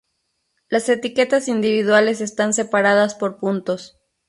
Las etiquetas individuales están separadas por puntos.